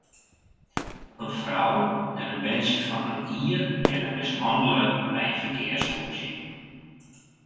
In frou en in berntsje fan in jier binne mishannele by in ferkearsrûzje.